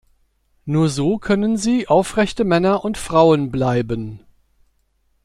Nur so können sie aufrechte Männer und Frauen bleiben.